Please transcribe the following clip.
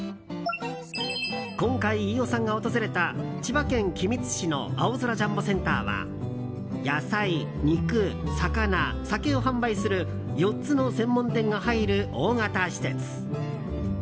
今回、飯尾さんが訪れた千葉県君津市の青空ジャンボセンターは野菜、肉、魚、酒を販売する４つの専門店が入る大型施設。